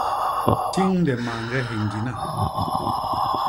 Tiñde mañge hindina.